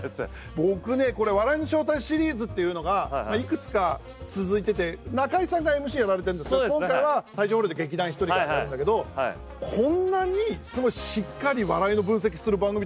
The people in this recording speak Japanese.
僕ねこれ「笑いの正体」シリーズっていうのがいくつか続いてて中居さんがＭＣやられてるんですが今回は体調不良で劇団ひとりがやってるんだけどこんなにすごいしっかり笑いの分析する番組って見たことなかった。